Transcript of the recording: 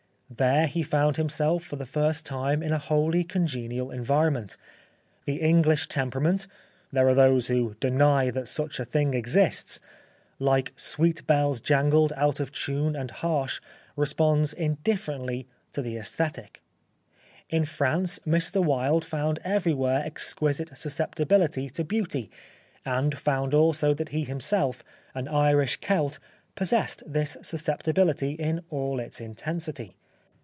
There he found himself for the lirst time in a wholly congenial environment. The English temperament — there are those who deny that such a thing exists —' like sweet bells jangled, out of tune and harsh ' responds indifferently to the aesthetic. In France Mr Wilde found everywhere exquisite susceptibility to beauty, and found also that he himself, an Irish Celt, possessed this suscepti bility in all its intensity.